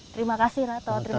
terima kasih rato terima kasih bapak